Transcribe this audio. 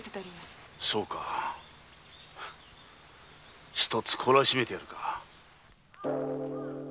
そうか一つこらしめてやるか。